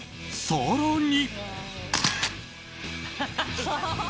更に。